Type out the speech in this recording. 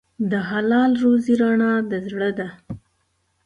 د حلال روزي رڼا د زړه ده.